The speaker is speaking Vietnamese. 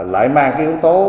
lại mang cái yếu tố